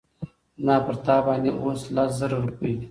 زما پر تا باندي اوس لس زره روپۍ دي